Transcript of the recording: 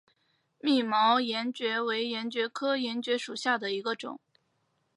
密毛岩蕨为岩蕨科岩蕨属下的一个种。